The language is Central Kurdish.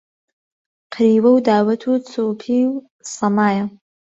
قریوە و داوەت و چۆپی و سەمایە